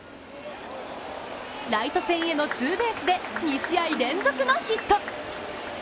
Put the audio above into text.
ライト線へのツーベースで２試合連続のヒット。